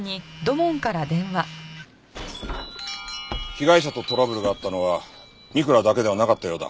被害者とトラブルがあったのは三倉だけではなかったようだ。